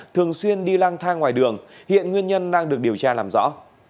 thường xuyên đi lang thang ngoài đường hiện nguyên nhân đang được điều tra làm rõ